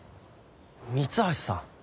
三橋さん。